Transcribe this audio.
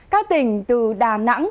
các tỉnh từ đà nẵng